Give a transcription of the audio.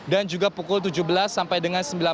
dan juga pukul tujuh belas sampai dengan sembilan belas